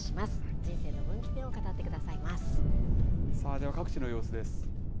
人生の分岐点を語ってくださいまでは各地の様子です。